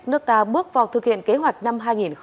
nước ta bước vào thực hiện kế hoạch năm hai nghìn hai mươi